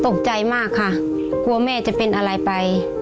ตกใจมากค่ะกลัวแม่จะเป็นอะไรไป